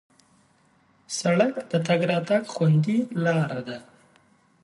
سړک د تګ راتګ خوندي لاره ده.